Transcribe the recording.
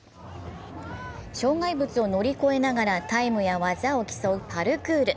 障害物を乗り越えながらタイムや技を競うパルクール。